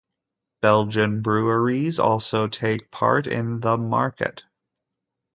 Belgian breweries also take part in the market.